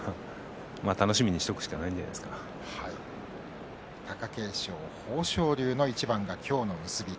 楽しみにしておくしか貴景勝と豊昇龍の一番が今日の結び。